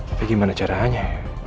tapi gimana caranya